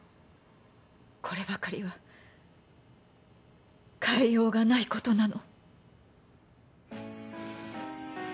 こればかりは変えようがないことなの。